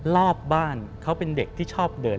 รอบบ้านเขาเป็นเด็กที่ชอบเดิน